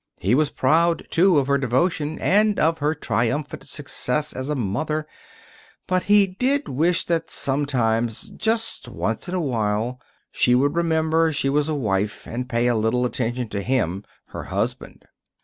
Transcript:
He was proud, too, of her devotion, and of her triumphant success as a mother; but he did wish that sometimes, just once in a while, she would remember she was a wife, and pay a little attention to him, her husband.